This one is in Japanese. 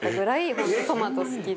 本当に、トマト、好きで。